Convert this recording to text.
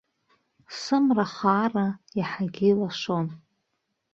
Сымра хаара иаҳагьы илашон.